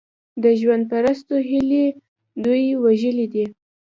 د ژوند پرستو هیلې دوی وژلي دي.